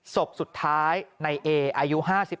ศพสุดท้ายในเออายุ๕๓